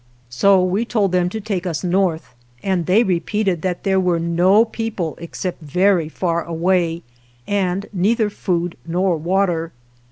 So we told them to take us north, and they re peated that there were no people, except very far away, and neither food nor water.